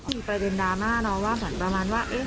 มีไปเป็นดราม่าเนอะว่ามันประมาณว่า